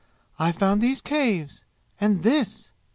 I found these caves and this!